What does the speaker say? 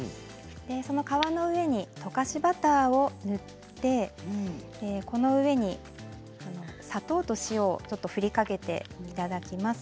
その皮の上に溶かしバターを塗ってこの上に砂糖と塩を振りかけていただきます。